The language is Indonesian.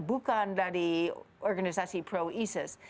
bukan dari organisasi pro isis